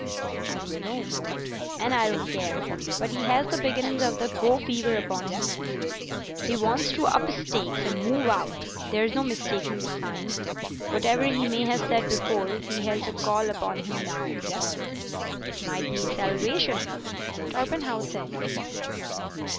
"I don't know, and I don't care, but he has the beginnings of the go fever upon him. He wants to up stakes and move out. There's no mistaking the signs. Whatever he may have said before, he has the call upon him now." "It might be his salvation," Torpenhow said.